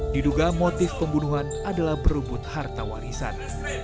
diduga motif pembunuhan adalah berebut harta warisan